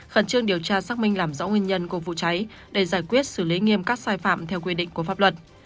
khẩn trương điều tra xác minh làm rõ nguyên nhân của vụ cháy để giải quyết xử lý nghiêm các sai phạm theo quy định của pháp luật